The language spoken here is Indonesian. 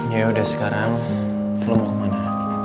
yaudah sekarang lo mau kemana